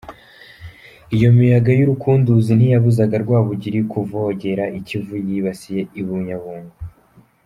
Iyo miyaga rukunduzi ntiyabuzaga Rwabugili kuvogera i Kivu yibasiye u Bunyabungo.